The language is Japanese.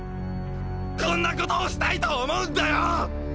こんなことをしたいと思うんだよ！！